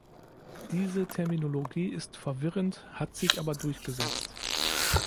Diese Terminologie ist verwirrend, hat sich aber durchgesetzt.